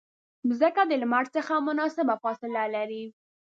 مځکه د لمر څخه مناسبه فاصله لري.